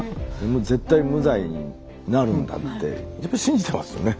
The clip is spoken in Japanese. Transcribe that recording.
もう絶対無罪になるんだってやっぱ信じてますよね。